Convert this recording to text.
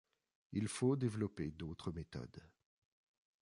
Il faut développer d'autres méthodes.